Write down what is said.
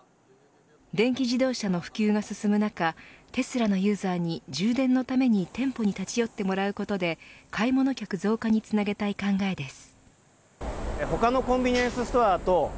電気自動車の普及が進む中テスラのユーザーに充電のために店舗に立ち寄ってもらうことで買い物客増加につなげたい考えです。